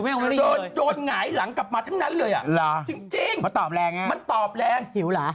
เออโดนหงายหลังกลับมาทั้งนั้นเลยจริงมันตอบแรงหิวเหรอ